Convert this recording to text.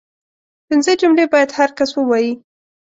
پنځه جملې باید هر کس ووايي